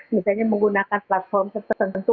misalnya menggunakan platform tertentu